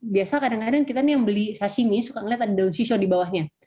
biasa kadang kadang kita yang beli sashimi suka melihat ada daun shisho di bawahnya